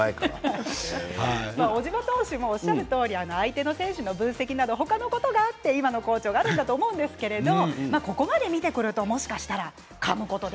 小島選手もおっしゃったとおり他の選手の分析など他のこともあって、好調だと思いますがここまで出てくるともしかしたらかむことで